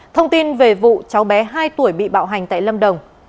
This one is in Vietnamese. thông tin về vụ cháu bé hai tuổi bị bạo hành tại lâm đồng